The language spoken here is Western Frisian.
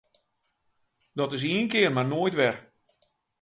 Dat is ien kear mar noait wer!